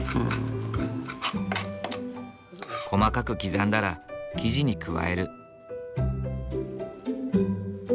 細かく刻んだら生地に加える。